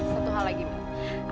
satu hal lagi pak